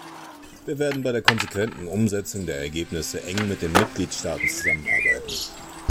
Wir werden bei der konsequenten Umsetzung der Ergebnisse eng mit den Mitgliedstaaten zusammenarbeiten.